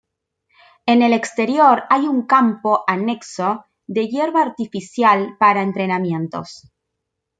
En el exterior hay un campo anexo de hierba artificial para entrenamientos.